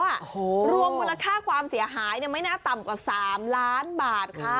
รวมมูลค่าความเสียหายไม่น่าต่ำกว่า๓ล้านบาทค่ะ